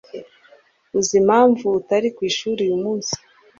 Uzi impamvu atari ku ishuri uyu munsi?